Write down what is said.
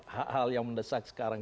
hal yang mendesak sekarang